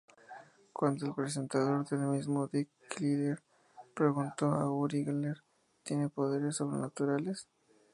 Cuando el presentador del mismo, Dick Klinger, preguntó: "¿Uri Geller tiene poderes sobrenaturales?